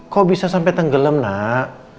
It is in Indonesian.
kok bisa sampe tenggelem nak